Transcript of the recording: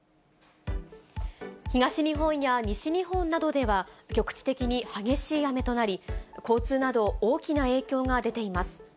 東日本や西日本などでは、局地的に激しい雨となり、交通など大きな影響が出ています。